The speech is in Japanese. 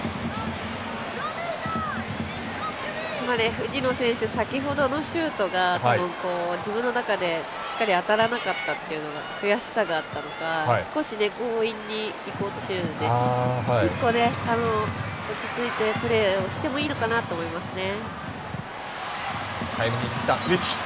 藤野選手、先ほどのシュートが自分の中でしっかり当たらなかったっていうのが悔しさがあったのか少し強引にいこうとしてるので一歩、落ち着いてプレーをしてもいいのかなと思いますね。